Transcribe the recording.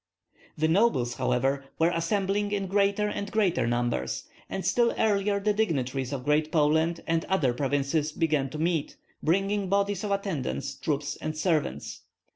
The nobles, however, were assembling in greater and greater numbers; and still earlier the dignitaries of Great Poland and other provinces began to meet, bringing bodies of attendant troops and servants.